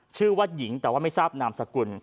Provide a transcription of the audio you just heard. ชื่อว่าหญิงแต่ว่าไม่ทราบนามสกุล